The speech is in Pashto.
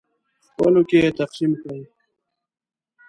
خپلو کې یې تقسیم کړئ.